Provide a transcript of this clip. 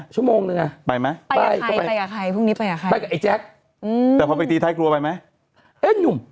ชั่วโมงนึงอะไปไหมไปกับไอ้แจ็คแต่พอไปดีไทยครัวไปไหมเอ๊ยนุ่ม